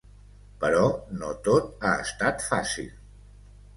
Però no tot ha estat fàcil.